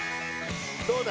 どうだ？